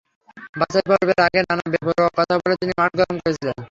বাছাই পর্বের আগেই নানা বেপরোয়া কথা বলে তিনি মাঠ গরম করেছিলেন।